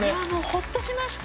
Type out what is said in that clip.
ほっとしました。